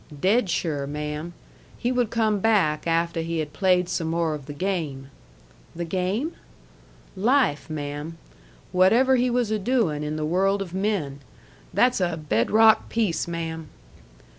"Dead sure, ma'am. He would come back afteh he had played some more of the game." "The game?" "Life, ma'am. Whatever he was a doin' in the world of men. That's a bed rock piece, ma'am!"